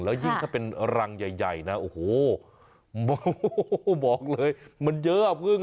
แล้วยิ่งถ้าเป็นรังใหญ่ยังบอกเลยมันเยอะอะผึ้ง